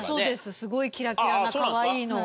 すごいキラキラなかわいいのを。